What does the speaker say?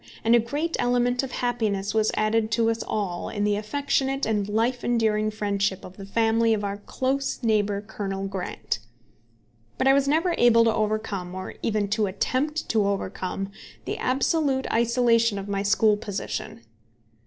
And a great element of happiness was added to us all in the affectionate and life enduring friendship of the family of our close neighbour, Colonel Grant. But I was never able to overcome or even to attempt to overcome the absolute isolation of my school position.